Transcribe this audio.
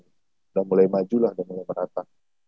sudah mulai maju lah udah mulai merata